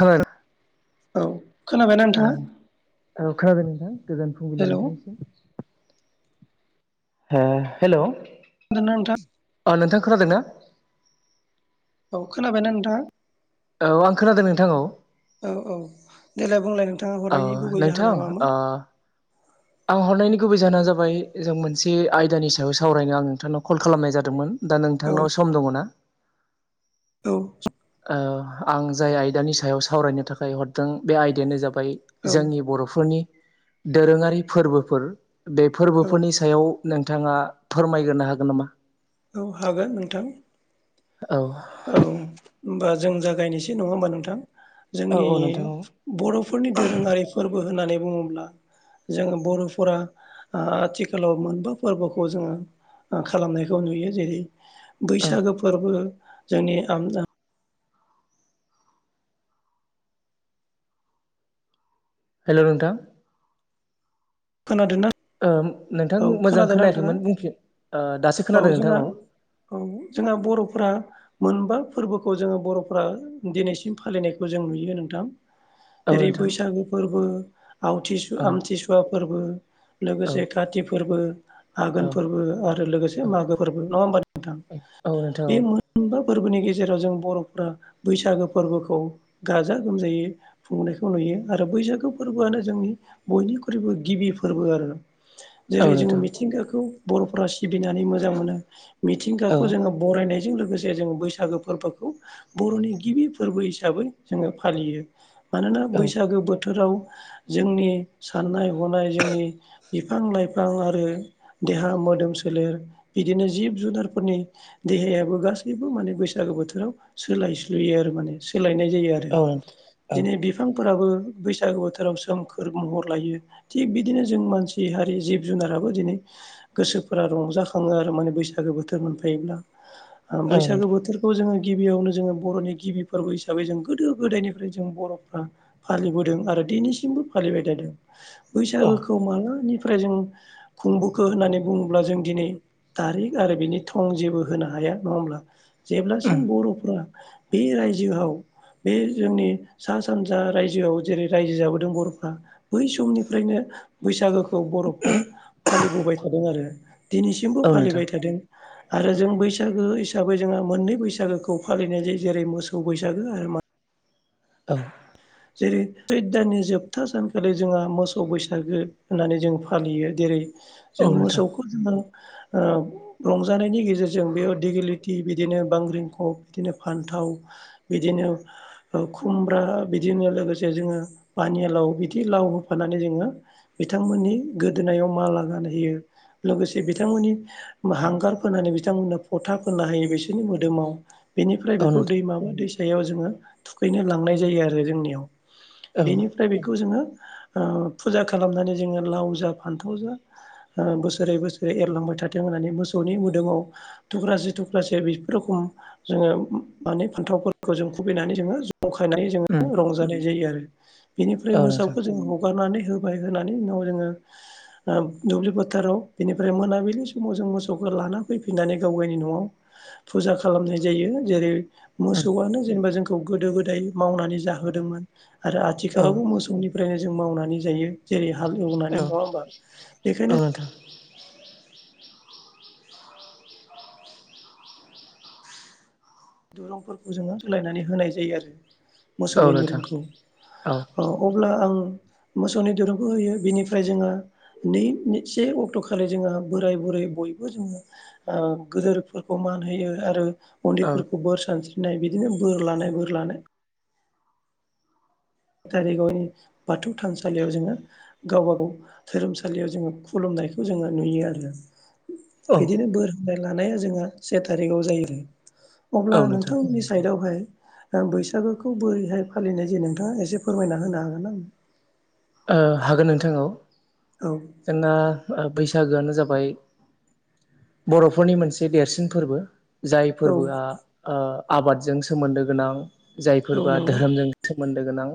खोनादो औ खोनाबायना नोंथाङा ओं औ खोनादों नोंथां गोजोन फुंबिलि हेल' नोंथांनिसिम हो हेलौ [unintelligible] नोंथां खोनादोंना? औ खोनाबायना नोंथां? औ आं खोनादों नोंथां औ औ औ देलाय बुंलाय नोंथाङा औ हरनायनि गुबै नोंथां जाहोना ओ मामोन? आं हरनायनि गुबै जाहोना जाबाय जों मोनसे आयदानि सायाव सावरायनो आं नोंथांनाव कल खालामनाय जादोंमोन दा औ नोंथांनाव सम दङ' ना? औ ओ आं जाय आयदानि सायाव सावरायनो थाखाय हरदों बे आयदायानो जाबा बाय औ जोंनि बर'फोरनि दोरोङारि फोरबोफोर बे औ फोरबोफोरनि सायाव नोंथाङा फोरमायगोरनो हागोन नामा? औ हागोन नोंथां औ औ होमबा जों जागायनिसै नङा होमबा नोंथां औ जोंनि औ नोंथां औ बर'फोरनि दोरोङारि फोरबो होननानै बुङोब्ला जोङो बर'फोरा आथिखालाव मोनबा फोरबोखौ जोङो खालामनायखौ नुयो जेरै औ बैसागो फोरबो जोंनि हेल' नोंथां खोनादोंना नोंथां औ मोजां खोनादोंना नोंथाङा खोनायाखैमोन बुंफिन दासो औ खोनादों नोंथा जोंहा औ औ जोंना बर'फोरा मोनबा फोरबोखौ जोङो बर'फोरा दिनैसिम फालिनायखौ जों नुयो नोंथां औ जेरै नोंथां बैसागो फोरबो आवथिसु औ आमथिसुवा फोरबो औ लोगोसे काति फोरबो औ आघोन फोरबो आरो लोगोसे औ मागो फोरबो नङा होमबा नोंथां औ नोंथां बे मोनबा फोरबोनि गेजेराव जों बर'फोरा बैसागो फोरबोखौ गाजा गोमजायै खुंनायखौ नुयो आरो बैसागु फोरबोआनो जोंनि बयनिख्रुइबो गिबि फोरबो आरो औ जेरै जोङो नोंथां मिथिंगाखौ बर'फोरा सिबिनानै मोजां मोनो औ मिथिंगाखौ जोङो बरायनाय जों लोगोसे जों बैसागो फोरबोखौ बर'नि गिबि फोरबो हिसाबै जोङो फालियो मानोना औ बैसागो बोथोराव जोंनि साननाय हनाय जोंनि बिफां लाइफां आरो देहा मोदोम सोलेर बिदिनो जिब जुनारफोरनि देहायाबो गासैबो माने बैसागु बोथोराव सोलाय स्लुयो आरो माने सोलायनाय जायो औ नोंथां औ आरो बिफां फोराबो बैसागु बोथोराव सोमखोर महर लायो थिग बिदिनो जों मानसि जि हारि जिब जुनाराबो दिनै गोसोफोरा रंजाखाङो आरो माने बैसागो बोथोर मोनफायोब्ला औ बैसागो नोंथां बोथोरखौ जोङो गिबियावनो जोङो बर'नि गिबि फोरबो हिसाबै जों गोदो गोदायनिफ्राय जों बर'फ्रा फालिबोदों आरो दिनैसिमबो फालिबाय थादों बैसागोखौ माला बेनिफ्राय जों खुंबोखो होननानै बुङोब्ला जों दिनै थारिख आरो बिनि थं जेबो होनो हाया नङा होमब्ला जेब्लासिम बर'फोरा बे रायजोआव बे जोंनि सा सानजा रायजोआव जेरै रायजो जाबोदों बर'फ्रा बै समनिफ्रायनो बैसागोखौ बर'फ्रा फालिबोबाय थादों आरो दिनैसिमबो फालिबाय थादों आरो जों बैसागो हिसाबै जोंहा मोननै बैसागोखौ फालिनाय जायो जेरै मोसौ बैसागो आरो औ जेरै सैद दाननि जोबथा सानखालि जोंहा मोसौ बैसागो होननानै जों फालियो जेरै औ जों नोंथां औ नोंथां मोसौखौ जोङो रंजानायनि गेजेरजों बेयाव दिगेलिटि बिदिनो बांग्रिंख बिदिनो फान्थाव थाव बिदिनो खुमब्रा बिदिनो लोगोसे जोङो पानिलाव बिदि लाव होफानानै जोङो बिथांमोननि गोदोना याव माला गानहैयो लोगोसे बिथांमोननि हांगार फोनानै बिथांमोनो फथा फोनना होयो बिसोरनि मोदोमाव बेनिफ्राय औ बेखौ नोंथां दैमाबा दैसायाव जोङो थुखैनो लांनाय जायो आरो जोंनियाव औ बेनिफ्राय बेखौ जोङो ओ फुजा खालामनानै जोङो लाव जा फान्थाव जा ओ बोसोरै बोसोरै एरलांबाय था थाथों होन्नानै मोसौनि मोदोमाव थुक्रासे थुक्रासे बिदि रखम जोंङो माने फान्थावफोरखौ जों खुुबैनानै जोङो जंखायनाय उम रंजानाय जायो आरो बेनिफ्राय औ नोंथां मोसौखौ जों हगारनानै होबाय होनानै उनाव जोङो दुब्लि फोथाराव बेनिफ्राय मोनाबिलि समाव जों मोसौखौ लाना फैफिननानै गाव गावनि न'आव फुजा खालामनाय जायो जेरै उम मोसौआनो जेनेबा जोंखौ गोदो गोदाय मावनानै जाहोदोंमोन आरो औ आथिखालावबो मोसौनिफ्रायनो जों मावनानै जायो जेरै हाल औ एवनानै नङा होमबा औ बेखायनो नोंथां दुरंफोरखौ जोङो रोलायनानै होनाय जायो आरो। औ मोसौनि नोंथां दोरुंखौ औ अब्ला आं मोसौनि दिरुंखौ होयो बिनिफ्राय जोङो नै से अक्ट' खालि जोंहा बोराय बुरै बयबो जोङो गोदोरफोरखौ मान होयो आरो औ मन्दिरफोरखौ सानस्रिनाय बिदिनो बोर लानाय बोर लानाय दारिगावनि बाथौ थानसालियाव जोङो गावबाागाव धोरोमसालियाव जोङो खुलुम नायखौ जोङो नुयो आरो। बिदिनो बोर होनाय लानाया जोंहा से थारिखआव जायो आरो अब्ला औ नोंथां नोंथांमोननि साइदवहाय बैसागोखौ बोरैहाय फालिनाय जायो नोंथाङा एसे फोरमायना होनो हागोन ना? हागोन नोंथां औ जोंना बैसागोआनो जाबाय बर'फोरनि मोनसे देरसिन फोरबो जाय औ फोरबोआ आबादजों सोमोन्दो गोनां जाय औ फोरबोआ नंगौ धोरोमजों मोनद गोनां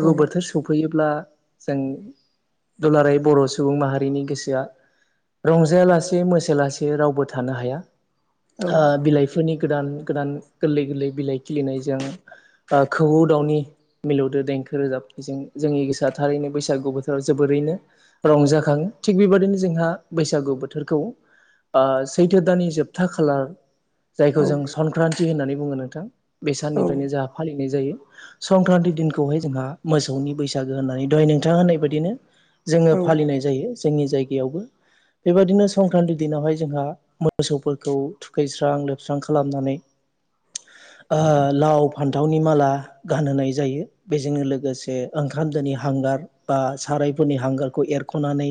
औ बोथोर सौफै सफैयोब्ला जों दुलाराय बर' सुबुं माहारिनि गोसोआ रंजायालासे मोसलासे रावबो थानो हाया औ बिलाइफोरनि गोदान गोदान गोरलै गोरलै बिलाइ खिलिनायजों खौवौ दाउनि मिलौदो दें खो रोजाबथिजों जोंनि गोसोआ थारैनो बैसागु बोथोराव जोबोरैनो रंजाखाङो थिग बेबायदिनो जोंहा बैसागु बोथोरखौ सैथो दाननि जोबथा खालार जायखौ औ जों संक्रान्ति होननानै बुङो नोंथां बे औ साननिफ्रायनो जोंहा फालिनाय जायो। संक्रान्ति दिनखौहाय जोंहा मोसौनि बैसागो होननानै दहाय नोंथाङा होननाय बायदिनो जोङो औ फालिनाय जायो जोंनि जायगायावबो। बेबायदिनो संक्रान्ति दिनावहाय जोंहा मोसौफोरखौ थुखैस्रां लोबस्रां खालामनानै [inaudible] लाव फान्थावनि माला गानहोनाय जायो बेजोंनो लोगोसे ओंखामजोंनि हांगार बा सारायफोरनि हांगारखौ एरख'नानै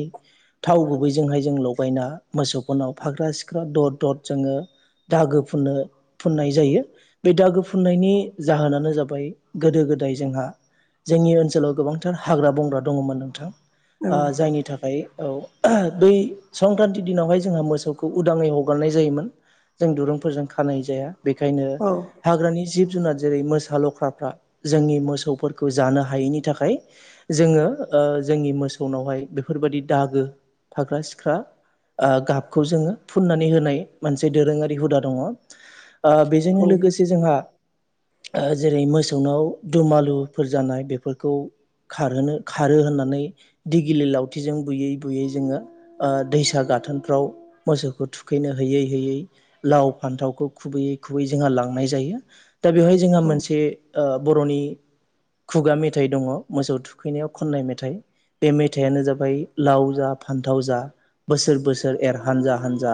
थाव गुबैजोंहाय जों लगायना मोसौफोरनाव फाग्रा सिख्रा दर दर जोङो दागो फुननो फुननाय जायो बे दागो फुननायनि जाहोनानो जाबाय गोदो गोदाय जोंहा जोंनि ओनसोलाव गोबांथार हाग्रा बंग्रा दङमोन नोंथां जायनि थाखाय औ बै संक्रान्ति दिनावहाय जोंहा मोसौखौ उदाङै हगारनाय जायोमोन। जों दुरुंफोरजों खानाय जाया बेखायनो औ हाग्रानि जिब जिब जुनाद जेरै मोसा लख्राफ्रा जोंनि मोसौफोरखौ जानो हायैनि थाखाय जोङो जोंनि मोसौनावहाय बेफोरबाददि दागो फाग्रा सिख्रा गाबखौ जोङो फुननानै होनाय मोनसे दोरोङारि हुदा दङ। बेजोंनो लोगोसे जोंहा जेरै मोसौनाव दुमालुफोर जानाय बेफोरखौ खारहोनो खारो होननानै दिगिलि लावथिजों बुयै बुयै जोङो दैसा गा थोनफ्राव मोसौखौ थुखैनो होयै होयै लाव फान्थावखौ खुबैयै खुबै जोंहा लांनाय नाय जायो दा बेवहाय जोंहा ओ औ मोनसे बर'नि खुगा मे थाय दङ मोसौ थुखैनायाव खननाय मेथाइ बे मेथायानो जाबाय लाव जा फान्थाव जा बोसोर बोसोर एर हानजा हानजा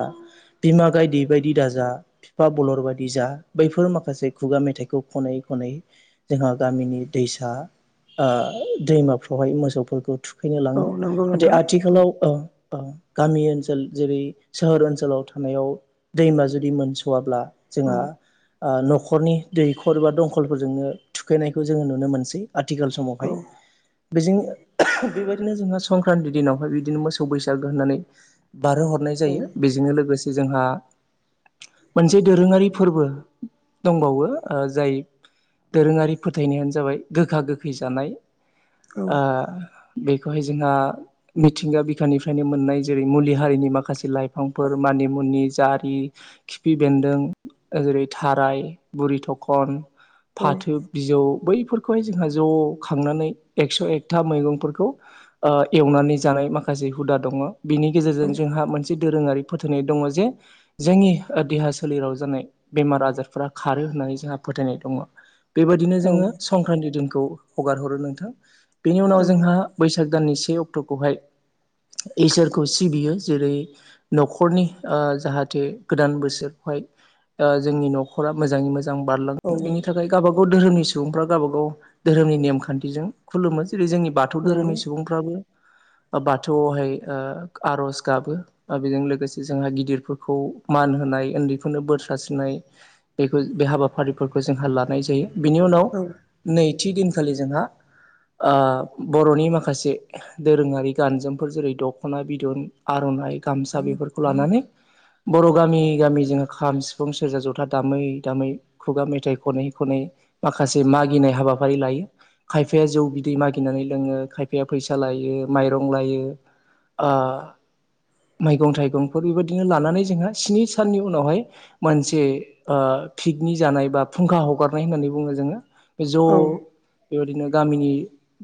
बिमा गायदै बायदि दाजा बिफा बलर बायदि जा दा बैफोर माखासे खुगा मेथाइखौ खनै खनै जोंहा गामिनि दैसा ओ दैमाफ्रावहाय मोसौफोरखौ थु खैनो औ लाङो नंगौ नाथाय नोंथां औ आथिखालाव ओ ओं गामि ओनसोल जेरै सोहोर ओनसोलाव थानायाव दैमा जुदि मोनस'वाब्ला औ जोंहा आ न'खरनि दैख'र बा दंखलफोरजोंनो थुखैनायखौ जोङो नुनो मोनसै थिखाल औ समावहाय बेजों बेबायदिनो जोंहा संक्रान्ति दिनावहाय बिदिनो मोसौ बैसागो होननानै बारहो हरनाय औ जायो बेजोंनो लोगोसे जोंहा मोनसे दोरोङारि फोरबो दंबावो ओ जाय दोरोङारि फोथायनायानो जाबाय गोखा गोखै जानाय औ ओ बेखौहाय जोंहा मिथिंगा बिखानिफ्रायनो मोननाय जेरै मुलि हारिनि माखासे लाइफ फांफोर मानि मुनि जारि खिफि बेन्दों ओेरै थाराय बुरि थखन औ फाथो बिजौ बै खौहाय जोंहा ज' खांनानै एकस' एकथा मैगंफोरखौ ओ एवनानै जानाय माखासे हुदा दङ बिनि औ गेजेरजों जोंहा मोनसे दोरोङारि फोथायनाय दङ जे जोंनि देहा सोलेराव जानाय बेमार आजारफोरा खारो नानै जोंहा फोथायनाय दङ बेबायदिनो जोङो संक्रान्ति दिनखौ हगार हरो नोंथां बेनि उनाव जोंहा बैस साग दाननि से अक्ट'खौहाय इसोरखौ सिबियो जेरै न'खरनि ओ जाहाथे गोदान बोसोरखौहाय ओ जोंनि नख'रा मोजाङै मोज जां बारलाङो बेनि थाखाय गावबाागाव धोरोमनि सुबुंफ्रा गावबाागाव धोरोमनि नेमखान्थिजों खुलुमो जेरै जोंनि बाथौ नंगौ धोरोमनि सुबुंफ्राबो [inaudible] बाथौआवहाय ओ आर'ज गाबो ओ बेजों लोगोसे जोंहा गिदिरफोरखौ मान हो नाय उन्दैफोरनो बोर सस्रिनाय बेखौ बे हाबाफारिफोरखौ जोंहा लानाय जायो बिनि उनाव नैथि दिनखालि जोंहा ओ बर'नि माखासे दोरोङारि गानजोमफोर जेरै दख'ना बिदन आर' नाय गामसा बेफोरखौ लानानै बर' गामि गामि जोङो खाम सिफुं सेरजा जथा दामै दामै खुगा मेथाइ खनै खनै माखासे मागिनाय हाबाफारि लायो खायफाया जौ बिदै मागिनानै लोङो खायफाया फैसा लायो माइरं लायो आ मैगं थाइगंफोर बेबायदिनो लानानै जोंहा स्नि साननि उनावहाय मोनसे ओ पिकनिक जानाय बा फुंखा हगारनाय होननानै बुङो जोङो बे ज' औ बेबायदिनो गामिनि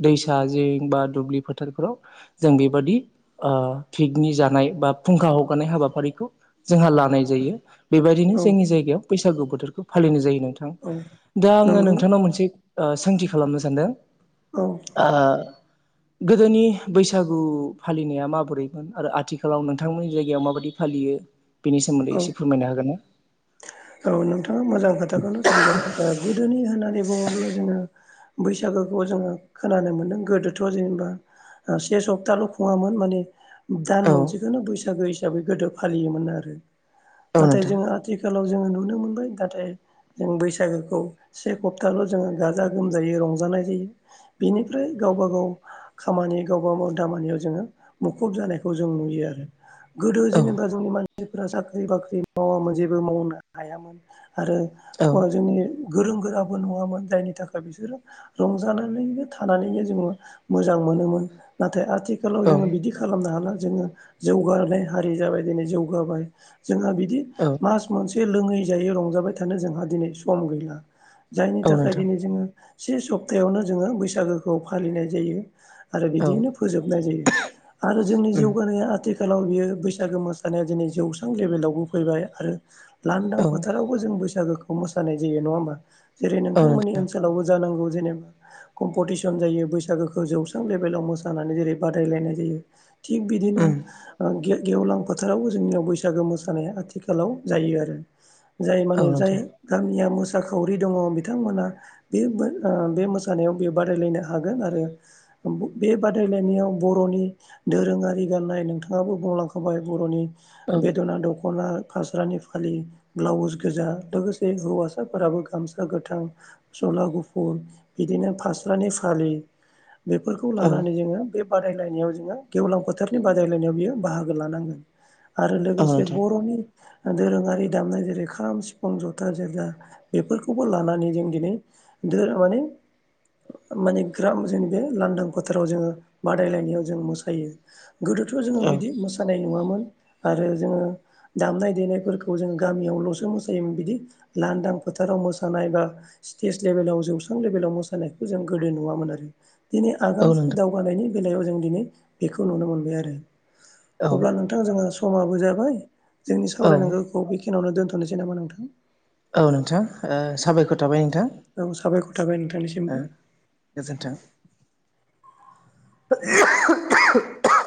दैसा जिं बा दुब्लि फोथारफोराव जों बेबादि ओ पिकनिक जानाय बा फुंखा हगारनाय हाबाफारिखौ जोंहा लानाय जायो बेबायदिनो औ जोंनि जायगायाव बैसागु बोथोरखौ फालिनाय जायो नोंथां औ दा आङो नंगौ नोंथांनाव मोनसे ओ सोंथि खालामनो सानदों औ ओ गोदोनि बैसागु फालिनाया माबोरैमोन आरो आथिखालाव नोंथांमोननि जायगायाव माबादि फालि यो बेनि सोमोन्दै औ एसे फोरमायनो हागोन ना औ नोंथाङा मोजां खोथाखौनो सोंदों गोदोनि होननानै बुङोब्ला जोङो बैसागोखौ जोङो खोनानो मोनदों गोदोथ' जेनेबा से सप्ताल' खुङामोन माने दान औ मोनसेखौनो बैसागो हिसाबै गोदो फालियोमोन आरो औ नाथाय नोंथां जोङो आथिखाल लाव जोङो नुनो मोनबाय दाथाय जों बैसागोखौ से खप्ताल' जोङो गाजा गोमजायै रंजानाय जायो बेनिफ्राय गावबा गाव खामानि गावबा माव दामानियाव जोङो मुखुब जानायखौ जों नुयो आरो गोदो औ जेनेबा जोंनि मानसिफोरा साख्रि बाख्रि मावामोन जेबो मावनो हायामोन आरो औ वो जोंनि गोरों गोराबो नङामोन जायनि थाखाय बिसोरो रंजानानैनो थानानैनो जोङो मोजां मोनोमोन नाथाय आ आथिखालाव औ जोङो बिदि खालामनो हाला जोङो जौगानाय हारि जाबाय दिनै जौगाबाय जोंहा बिदि औ मास मोनसे लोङै जायै रंजाबाय थानो जोंहा दिनै सम गैला जायनि औ थाखाय नोंथां दिनै जोङो से सप्तायावनो जोङो बैसागोखौ फालिनाय जायो आरो औ बिदियैनो फोजोबनाय जायो आरो जोंनि उम जौगानाया आथिखाल खालाव बेयो बैसागो मोसानाया दिनै जौस्रां लेभेलावबो फैबाय आरो लांदां औ फोथारावबो जों बैसागोखौ मोसानाय जायो नङा होमबा जेरै औ नोंथांमोननि नोंथां ओनसोलावबो जानांगौ जेनेबा कम्पिटिसन जायो बैसागोखौ जौस्रां लेभेलाव मोसानानै जेरै बादायलायनाय जायो थिग बिदिनो उम ओ गेवलां फोथारावबो जोंनियाव बैसागो मोसानाया आथि खालाव जायो आरो जाय औ माने जाय नोंथां गामिया मोसा साखावरि दङ बिथांमोना बे बे मोसानायाव बे बादायलायनो हागोन आरो बे बादायलायनायाव बर'नि दोरोङारि गाननाय नोंथाङाबो बुंलांखाबाय बर'नि औ बेदना दख'ना फास्रानि फालि ब्लाउस गोजा लोगोसे हौवासाफोराबो गामसा गोथां गस्ला गुफुर बिदिनो फास्रानि फालि बेफोरखौ औ लानानै जोङो बे बादायनायाव जोङो गेवलां फोथारनि बादायलायनायाव बियो बाहागो लानांगोन आरो औ लोगोसे नोंथां बर'नि दोरोङारि दामनाय जेरै खाम, सिफुं, ज'था, जेरजा बेफोरखौबो लानानै जों दिनै दोरो माने माने ग्र [unintelligible] जोंनि [unintelligible] बे लांदां फोथाराव जोङो बादायलायनायाव जों मोसायो गोदोथ' जोङो औ बिदि मोसानाय नुयामोन आरो जोङो दामनाय देनायफोरखौ जों गामियावल'सो मोसायोमोन बिदि लांदां फोथाराव मोसानाय बा स्टेज लेभेलाव जौस्रां लेभेलाव मोसानायखौ जों गोदो नुवामोन आरो दिनै औ आगानसे नोंथां दावगानायनि बेलायाव जों दिनै बेखौ नुनो मोनबाय आरो औ अब्ला नोंथां जोंहा समाबो जाबाय जोंनि औ सावरायनांगौखौ बेखिनियावनो दोन दोनथ'नोसै नामा नोंथां? औ नोंथां ओ साबायखर थाबाय नों औ साबायखर थाबाय नोंथांनिसिमबो ज [unintelligible]